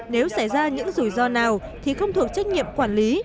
nếu xảy ra những rủi ro nào thì không thuộc trách nhiệm quản lý